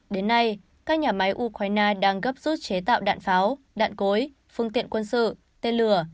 đến nay các nhà máy ukraine đang gấp rút chế tạo đạn pháo đạn cối phương tiện quân sự tên lửa